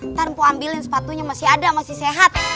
ntar mau ambilin sepatunya masih ada masih sehat